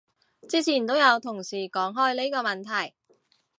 之前都有同事講開呢個問題